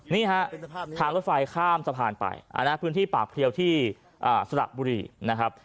นี่ฮะทางรถไฟข้ามสะพานไปพื้นที่ปากเพลียวที่สระบุรีนะครับ